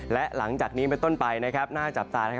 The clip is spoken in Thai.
และหลังจากนี้เป็นต้นไปนะครับหน้าจับตานะครับ